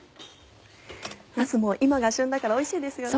なすも今が旬だからおいしいですよね。